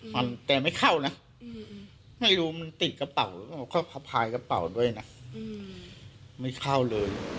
มันแต่ไม่เข้านะไม่รู้มันติดกระเป๋าหรือเปล่าก็สะพายกระเป๋าด้วยนะไม่เข้าเลย